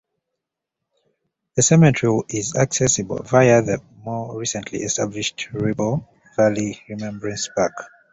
The cemetery is accessible via the more recently established Ribble Valley Remembrance Park.